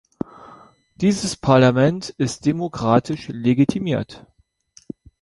Dieses Parlament ist demokratisch legitimiert.